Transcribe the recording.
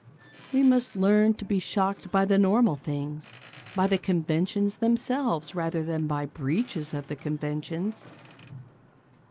We must learn to be shocked by the normal things by the conventions themselves rather than by breaches of the conventions.